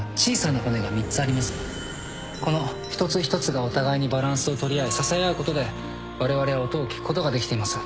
この一つ一つがお互いにバランスを取り合い支え合うことでわれわれは音を聞くことができています。